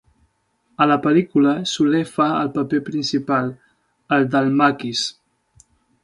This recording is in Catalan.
A la pel·lícula, Soler fa el paper principal, el del maquis.